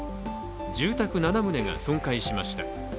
住宅７棟が損壊しました。